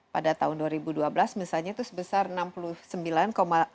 pada tahun dua ribu dua belas misalnya itu sebesar enam puluh sembilan enam